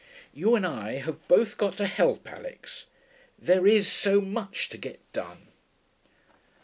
You and I have both got to help, Alix.... There is so much to get done.'